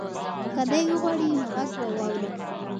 که دی وغواړي نو غږ به واوري.